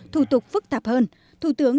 thủ tục phức tạp hơn